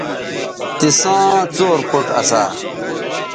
تِساں څور پوڇ اسا